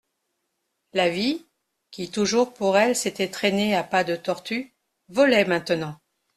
La vie, qui toujours pour elle s'était traînée à pas de tortue, volait maintenant.